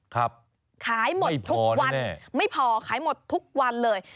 ขายหมดทุกวันไม่พอขายหมดทุกวันเลย